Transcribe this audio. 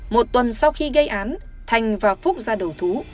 một tuần sau khi gây án thành và phúc ra đầu thú